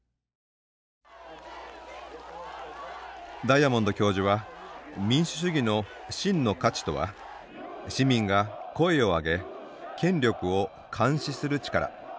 ダイアモンド教授は民主主義の真の価値とは市民が声を上げ権力を監視する力。